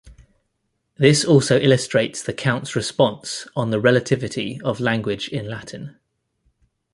This also illustrates the Count's response on the relativity of language in Latin.